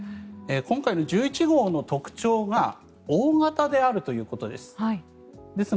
今回の１１号の特徴が大型であるということです。